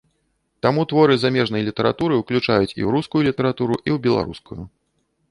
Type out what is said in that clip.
Таму творы замежнай літаратуры уключаюць і ў рускую літаратуру, і ў беларускую.